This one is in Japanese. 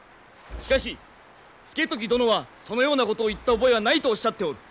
しかし資時殿はそのようなことを言った覚えはないとおっしゃっておる。